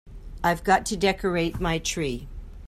I've got to decorate my tree.